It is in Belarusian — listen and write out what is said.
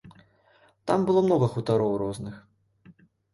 Там было многа хутароў розных.